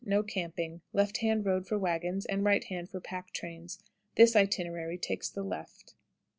No camping. Left hand road for wagons, and right hand for pack trains. This itinerary takes the left.